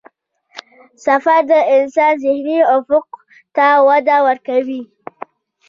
سفر د انسان ذهني افق ته وده ورکوي.